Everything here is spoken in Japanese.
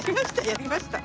やりました！